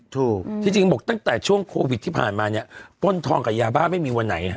ถูกที่จริงบอกตั้งแต่ช่วงโควิดที่ผ่านมาเนี่ยป้นทองกับยาบ้าไม่มีวันไหนฮะ